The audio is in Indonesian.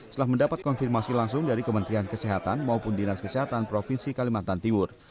setelah mendapat konfirmasi langsung dari kementerian kesehatan maupun dinas kesehatan provinsi kalimantan timur